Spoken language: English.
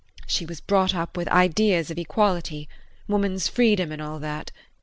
She was brought up with ideas of equality, woman's freedom and all that.